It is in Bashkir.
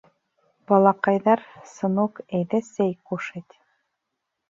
— Балаҡайҙар, сынок, әйҙә сәй кушать!